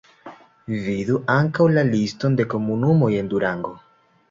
Vidu ankaŭ la liston de komunumoj en Durango.